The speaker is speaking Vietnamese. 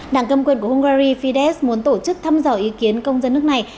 đảng cầm quyền của hungary fidesh muốn tổ chức thăm dò ý kiến công dân nước này